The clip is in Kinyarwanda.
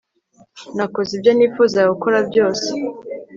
nakoze ibyo nifuzaga gukora byose